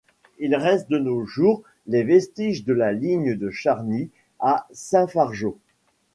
Il reste de nos jours les vestiges de la ligne de Charny à Saint-Fargeau.